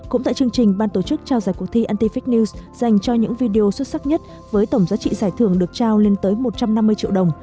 cũng tại chương trình ban tổ chức trao giải cuộc thi antific news dành cho những video xuất sắc nhất với tổng giá trị giải thưởng được trao lên tới một trăm năm mươi triệu đồng